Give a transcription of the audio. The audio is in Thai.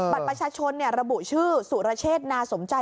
บัตรประชาชนระบุชื่อสุรเชษนาสมใจ